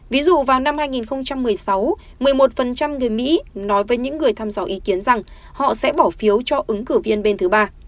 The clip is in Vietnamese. ví dụ vào năm hai nghìn một mươi sáu một mươi một người mỹ nói với những người thăm dò ý kiến rằng họ sẽ bỏ phiếu cho ứng cử viên bên thứ ba